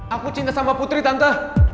aku cinta sama putri tanta